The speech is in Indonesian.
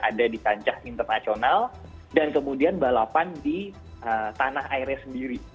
ada di kancah internasional dan kemudian balapan di tanah airnya sendiri